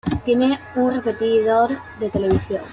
Tiene un repetidor de televisión.